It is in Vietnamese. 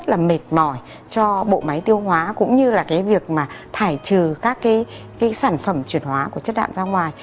cho nên nó rất là mệt mỏi cho bộ máy tiêu hóa cũng như là cái việc mà thải trừ các cái sản phẩm chuyển hóa của chất đạm ra ngoài